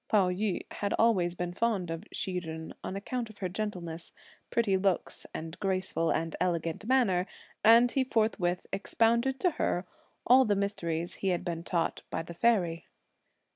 Pao yü had always been fond of Hsi Jen, on account of her gentleness, pretty looks and graceful and elegant manner, and he forthwith expounded to her all the mysteries he had been taught by the Fairy.